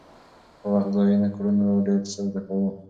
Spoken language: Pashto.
که وخت ضایع نه کړو نو ډېر څه زده کوو.